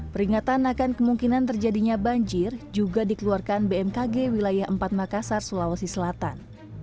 peringatan akan kemungkinan terjadinya banjir juga dikeluarkan bmkg wilayah empat makassar sulawesi selatan